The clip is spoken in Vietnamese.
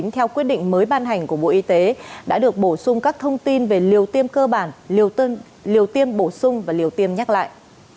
theo quyết định mới ban hành của bộ y tế đã được bổ sung các thông tin về liều tiêm cơ bản liều tiêm bổ sung và liều tiêm nhắc lại